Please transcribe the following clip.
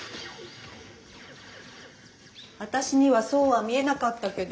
・私にはそうは見えなかったけど。